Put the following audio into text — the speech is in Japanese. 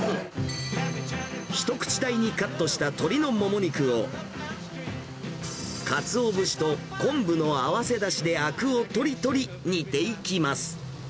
一口大にカットした鶏のもも肉を、かつお節と昆布の合わせだしであくをとりとり、煮ていきます。